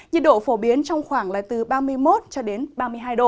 nhiệt độ phổ biến trong khoảng là từ ba mươi một cho đến ba mươi hai độ